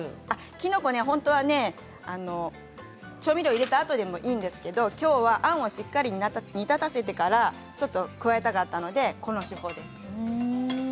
きのこは本当は調味料を入れたあとでもいいんですけれどもきょうは、しっかりあんを煮立たせてから加えたかったので、この手法です。